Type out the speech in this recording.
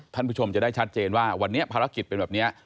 ท่านผู้ชมจะได้ชัดเจนว่าวันนี้ภารกิจเป็นแบบนี้